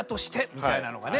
みたいなのがね